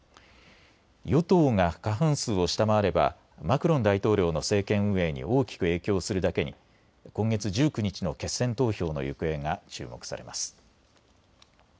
与党が過半数を下回ればマクロン大統領の政権運営に大きく影響するだけに今月１９日の決選投票の行方が注目されます。